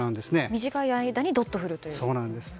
短い間にどっと降るんですね。